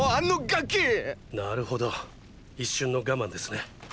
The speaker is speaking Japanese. なるほど一瞬のガマンですね。